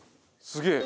すげえ！